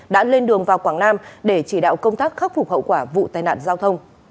đã lên đường vào quảng nam để chỉ đạo công tác khắc phục hậu quả vụ tai nạn giao thông